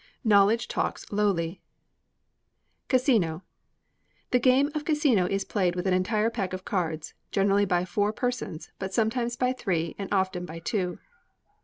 [KNOWLEDGE TALKS LOWLY] 110. Cassino. The game of cassino is played with an entire pack of cards, generally by four persons, but sometimes by three, and often by two.